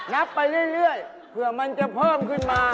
นับไปเรื่อยเผื่อมันจะเพิ่มขึ้นมา